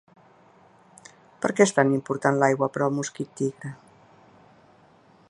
Per què és tan important l’aigua per al mosquit tigre?